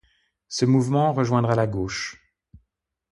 Ce mouvement rejoindra la gauche.